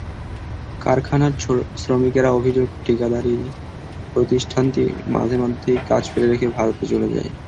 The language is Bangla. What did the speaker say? কারখানার শ্রমিকদের অভিযোগ, ঠিকাদারি প্রতিষ্ঠানটি মাঝেমধ্যেই কাজ ফেলে রেখে ভারতে চলে যায়।